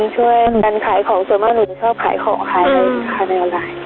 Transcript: ช่วยกันขายของส่วนมากหนูชอบขายของ